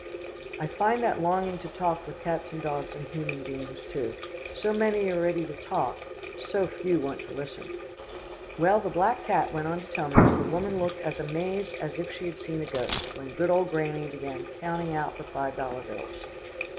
I find that longing to talk with cats and dogs and human beings too. So many are ready to talk so few want to listen. Well, the black cat went on to tell me that the woman looked as amazed as if she had seen a ghost, when good old Granny began counting out the five dollar bills.